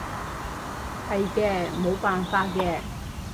係嘅，冇辦法嘅